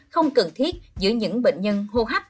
không cần thiết giữa những bệnh nhân hô hấp